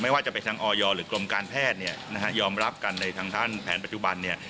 ไม่ว่าจะเป็นทางออยหรือกรมการแพทย์ยอมรับกันในทางท่านแผนปัจจุบัน